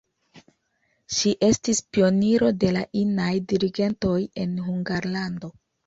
Ŝi estis pioniro de la inaj dirigentoj en Hungarlando.